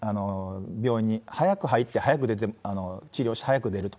病院に早く入って早く治療して、早く出ると。